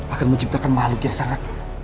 akan menciptakan mahluk yang sangat